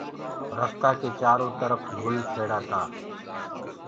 رستآ ڪي چآرو ترڦ گُل کيڙآ تآ